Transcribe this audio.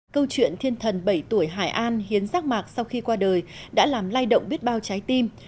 câu chuyện thiên thần bảy tuổi hải an hiến rác mạc sau khi qua đời đã làm lay động biết bao trái tim